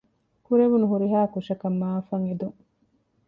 ކުރެވުނު ހުރިހާ ކުށަކަށް މަޢާފަށް އެދުން